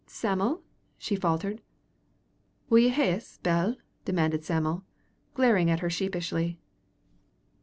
"Sam'l," she faltered. "Will ye hae's, Bell?" demanded Sam'l, glaring at her sheepishly.